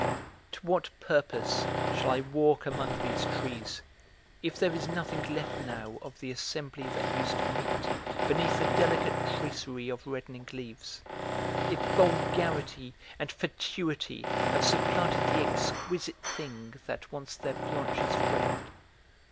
To what purpose shall I walk among these trees if there is nothing left now of the assembly that used to meet beneath the delicate tracery of reddening leaves, if vulgarity and fatuity have supplanted the exquisite thing that once their branches framed?